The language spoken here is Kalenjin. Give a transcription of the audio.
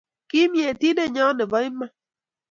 Kim Yetindenyo ne po iman.